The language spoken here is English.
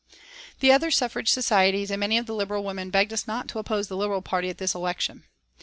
The other suffrage societies and many of the Liberal women begged us not to oppose the Liberal party at this election.